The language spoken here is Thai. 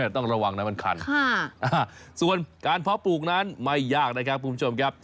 ต้องระวังนะมันคันส่วนการเพาะปลูกนั้นไม่ยากนะครับคุณผู้ชมครับ